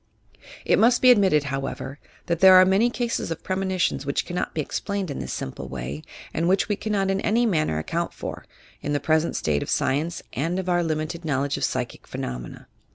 It must be admitted, however, that there are many cases of premonitions which cannot be explained in this simple way and which we cannot in any manner account for, in the present state of science and of our limited PROPHECY V8. FORTUNE TELLING 283 knowledge of psychic phenomena.